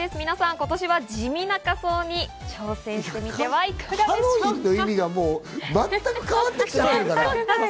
今年は地味な仮装に挑戦してみてはいかがでしょうか。